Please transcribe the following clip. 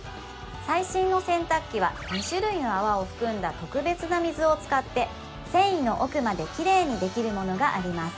最新の洗濯機は２種類の泡を含んだ特別な水を使って繊維の奥まできれいにできるものがあります